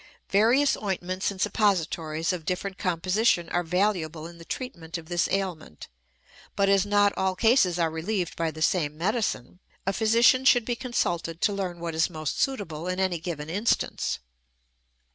Various ointments and suppositories of different composition are valuable in the treatment of this ailment, but, as not all cases are relieved by the same medicine, a physician should be consulted to learn what is most suitable in any given instance.